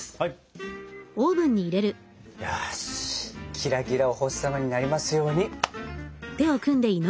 キラキラお星様になりますように！